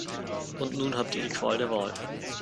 Und nun habt ihr die Qual der Wahl.